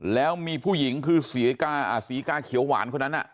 แล้วมีผู้หญิงคือศรีริกาอ่าศรีริกาเขียวหวานคนนั้นน่ะ